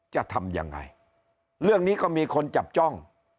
จะทำยังไงเรื่องนี้ก็มีคนจับจ้อง